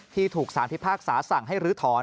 ที่ถูกสารพิพากษาสั่งให้ลื้อถอน